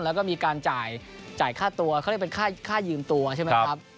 แล้วก็มีการจ่ายค่าตัวเขาเรียกเป็นค่ายืมตัวใช่ไหมครับ